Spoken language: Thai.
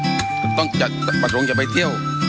ก็ต้องจัดประทงจะไปเที่ยว